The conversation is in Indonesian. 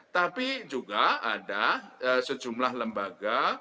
tapi juga ada sejumlah lembaga